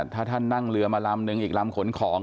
ถ้าท่านนั่งเรือมาลำนึงอีกลำขนของ